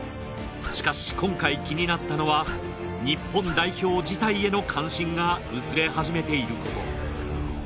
しかし今回気になったのは日本代表自体への関心が薄れ始めていること。